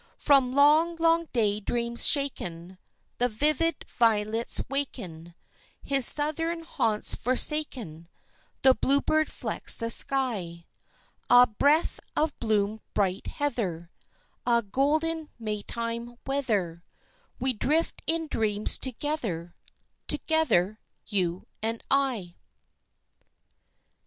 From long, long day dreams shaken, The vivid violets waken; His Southern haunts forsaken, The bluebird flecks the sky; Ah, breath of bloom bright heather, Ah, golden Maytime weather, We drift in dreams together Together, you and I.